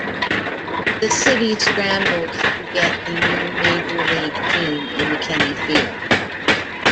The city scrambled to get a new major league team in McKechnie Field.